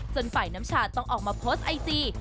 ฝ่ายน้ำชาต้องออกมาโพสต์ไอจี